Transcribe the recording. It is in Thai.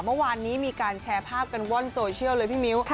เมื่อวานนี้มีการแชร์ภาพกันว่อนโซเชียลเลยพี่มิ้ว